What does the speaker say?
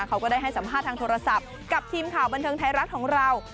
เขาก็ได้ให้สัมภาษณ์ทางโทรศัพท์กับทีมข่าวบันเทิงไทยรัฐของเรา